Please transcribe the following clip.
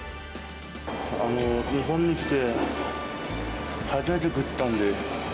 日本に来て初めて食ったんで。